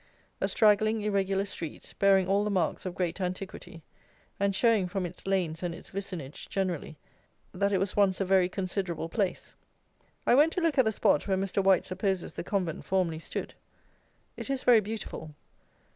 A straggling irregular street, bearing all the marks of great antiquity, and showing, from its lanes and its vicinage generally, that it was once a very considerable place. I went to look at the spot where Mr. White supposes the convent formerly stood. It is very beautiful.